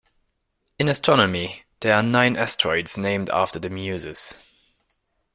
In astronomy, there are nine asteroids named after the Muses.